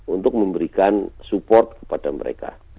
untuk memberikan support kepada mereka